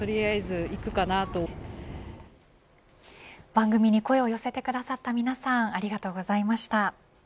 番組に声を寄せてくださった皆さんありがとうございました。